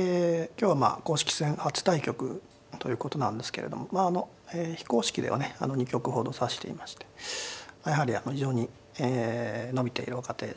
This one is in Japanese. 今日はまあ公式戦初対局ということなんですけれどもまあ非公式ではね２局ほど指していましてやはり非常にえ伸びている若手ですね。